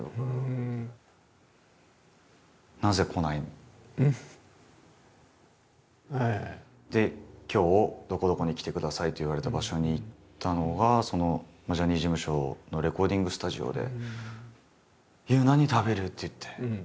そしたら今日どこどこに来てくださいって言われた場所に行ったのがジャニーズ事務所のレコーディングスタジオで。